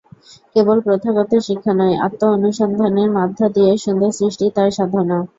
কেবল প্রথাগত শিক্ষা নয়, আত্মানুসন্ধানের মধ্য দিয়ে সুন্দর সৃষ্টিই তাঁর সাধনা।